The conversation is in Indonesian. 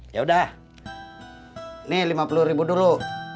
ya udah ini lima puluh ribu dulu